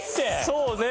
そうね。